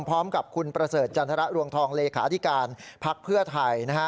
พร้อมกับคุณประเสริฐจันทรรภ์ร่วงทองเลขาธิการพักเพื่อไทย